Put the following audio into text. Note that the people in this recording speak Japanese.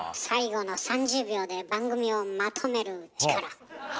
最後の３０秒で番組をまとめる力！